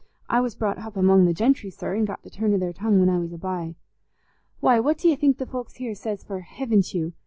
I was brought hup among the gentry, sir, an' got the turn o' their tongue when I was a bye. Why, what do you think the folks here says for 'hevn't you?